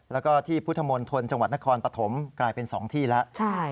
แล้วก็ที่พุทธมณฑลจังหวัดนครปฐมกลายเป็น๒ที่แล้ว